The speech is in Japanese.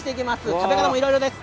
食べ方も、いろいろです。